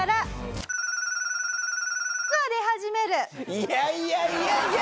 いやいやいやいや！